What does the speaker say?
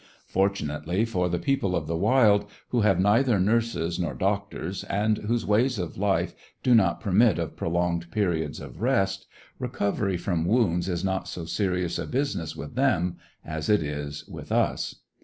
Fortunately for the people of the wild, who have neither nurses nor doctors, and whose ways of life do not permit of prolonged periods of rest, recovery from wounds is not so serious a business with them as it is with us.